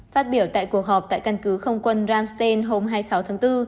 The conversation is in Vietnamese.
phát biểu tại cuộc họp tại căn cứ không quân ramstein hôm hai mươi sáu tháng bốn